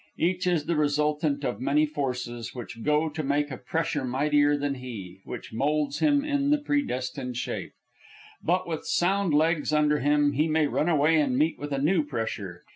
Each is the resultant of many forces which go to make a pressure mightier than he, and which moulds him in the predestined shape. But, with sound legs under him, he may run away, and meet with a new pressure.